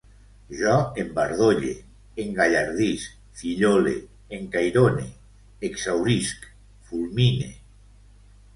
Jo embardolle, engallardisc, fillole, encairone, exhaurisc, fulmine